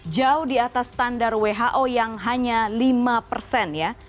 jauh di atas standar who yang hanya lima persen ya